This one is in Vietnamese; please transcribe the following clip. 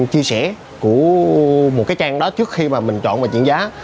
chia sẻ của một cái trang đó trước khi mà mình chọn và chuyển giá